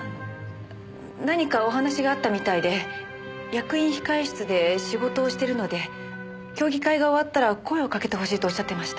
何かお話があったみたいで役員控室で仕事をしてるので競技会が終わったら声をかけてほしいと仰ってました。